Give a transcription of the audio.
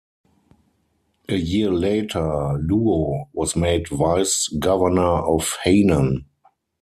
A year later, Luo was made Vice Governor of Henan.